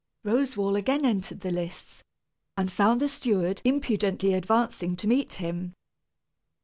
Roswal again entered the lists, and found the steward impudently advancing to meet him.